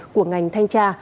của ngành thanh tra